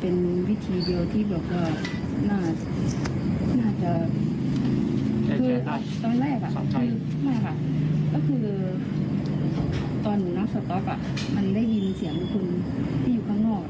เป็นวิธีเดียวที่แบบว่าน่าจะคือตอนแรกไม่ค่ะก็คือตอนหนูนั่งสต๊อกมันได้ยินเสียงคนที่อยู่ข้างนอก